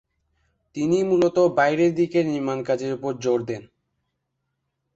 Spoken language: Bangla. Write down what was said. তিনি মূলত বাইরের দিকের নির্মাণ কাজের উপর জোর দেন।